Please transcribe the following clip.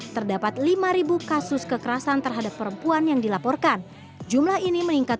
dua ribu dua puluh satu terdapat lima ribu kasus kekerasan terhadap perempuan yang dilaporkan jumlah ini meningkat